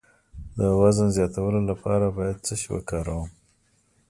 د وزن د زیاتولو لپاره باید څه شی وکاروم؟